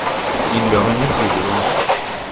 Il le renifle de loin.